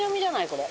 これ。